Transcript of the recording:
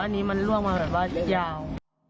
อันนี้มันล่วงมาแบบว่ายาว